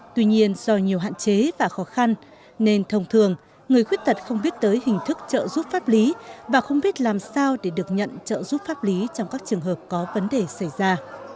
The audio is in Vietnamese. tuy nhiên do nhiều hạn chế và khó khăn nên thông thường người khuyết tật không biết tới hình thức trợ giúp pháp lý và không biết làm sao để được nhận trợ giúp pháp lý trong các trường hợp có vấn đề xảy ra